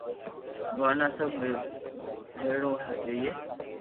ورنہ سب ميڙون ديئي